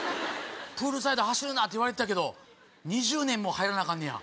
プールサイド走るなって言われてたけど２０年も入らなアカンねや。